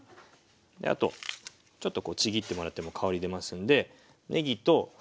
あとちょっとちぎってもらっても香り出ますんでねぎとにんにく。